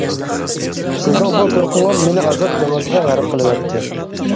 سىزنىڭ بۇ تۇرقىڭىز مېنى ئازاب دېڭىزىغا غەرق قىلىۋەتتى.